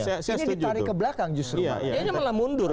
ini ditarik ke belakang justru kemudian malah mundur